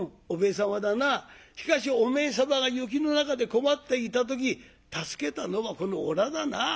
しかしお前様が雪の中で困っていた時助けたのはこのおらだな。